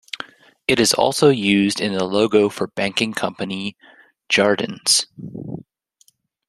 It is also used in the logo for banking company Desjardins.